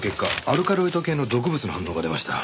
アルカロイド系の毒物の反応が出ました。